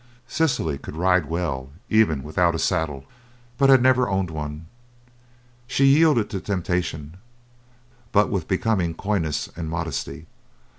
Cecily could ride well even without a saddle, but had never owned one. She yielded to temptation, but with becoming coyness and modesty.